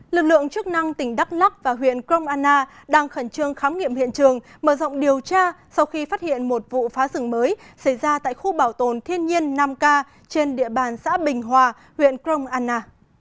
lực lượng chức năng tỉnh đắk lắc và huyện krong anna đang khẩn trương khám nghiệm hiện trường mở rộng điều tra sau khi phát hiện một vụ phá rừng mới xảy ra tại khu bảo tồn thiên nhiên năm k trên địa bàn xã bình hòa huyện crong anna